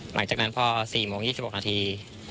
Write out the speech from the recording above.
หลังจากนั้นพอ๔โมง๒๖นาที